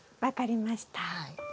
分かりました。